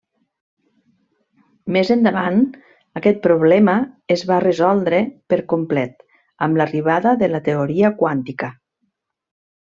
Més endavant aquest problema es va resoldre per complet amb l'arribada de la teoria quàntica.